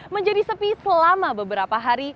menjadi sepi selama beberapa hari